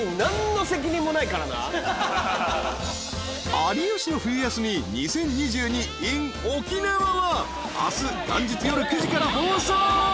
［『有吉の冬休み２０２２ｉｎ沖縄』は明日元日夜９時から放送］